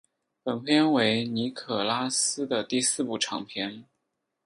本片为尼可拉斯的第四部长片。